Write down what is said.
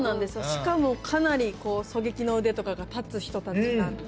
しかもかなり狙撃の腕とかが立つ人たちなんで。